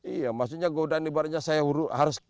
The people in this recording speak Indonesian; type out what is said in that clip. iya maksudnya godaan ibaratnya saya harus